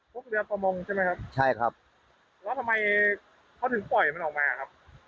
พวกเรือประมงใช่ไหมครับใช่ครับแล้วทำไมเขาถึงปล่อยมันออกมาครับ